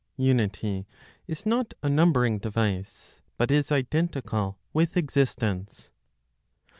UNITY IS NOT A NUMBERING DEVICE, BUT IS IDENTICAL WITH EXISTENCE.